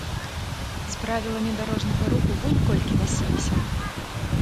З правіламі дарожнага руху вунь колькі насіліся!